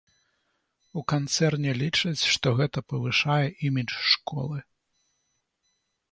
У канцэрне лічаць, што гэта павышае імідж школы.